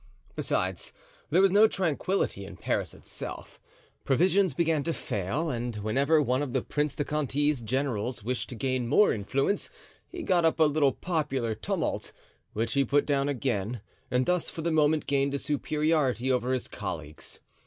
Besides, there was no tranquillity in Paris itself. Provisions began to fail, and whenever one of the Prince de Conti's generals wished to gain more influence he got up a little popular tumult, which he put down again, and thus for the moment gained a superiority over his colleagues.